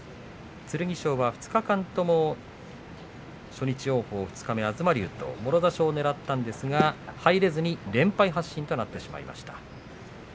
剣翔は２日間とも初日、王鵬二日目、東龍ともろ差しをねらったんですが入れずに連敗発進となってしまいました。